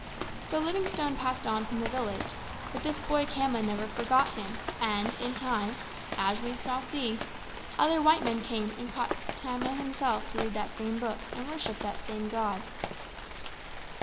So Livingstone passed on from the village; but this boy Khama never forgot him, and in time as we shall see other white men came and taught Khama himself to read that same book and worship that same God.